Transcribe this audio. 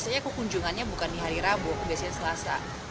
makanya bukan di hari rabu biasanya selasa